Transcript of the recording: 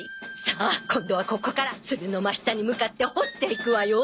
さあ今度はここからツルの真下に向かって掘っていくわよ！